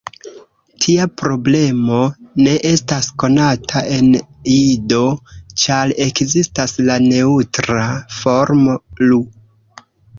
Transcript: Tia problemo ne estas konata en Ido, ĉar ekzistas la neŭtra formo "lu".